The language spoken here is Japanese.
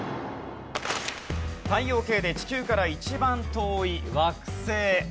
太陽系で地球から一番遠い惑星。